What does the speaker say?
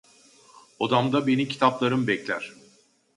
Odamda beni kitaplarım bekler.